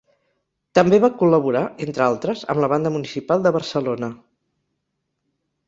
També va col·laborar, entre altres, amb la Banda Municipal de Barcelona.